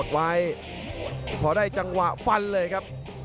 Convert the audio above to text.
กดไวท์เพราะได้จังหวะฟันเลยครับ